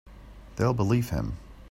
They'll believe him.